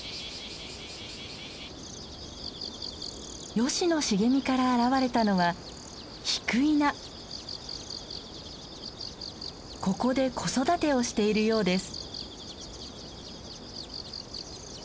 ヨシの茂みから現れたのはここで子育てをしているようです。